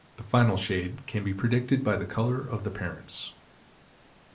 The final shade can be predicted by the color of the parents.